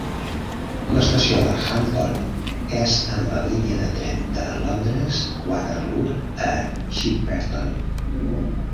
L'estació de Hampton és en la línia de tren de Londres Waterloo a Shepperton.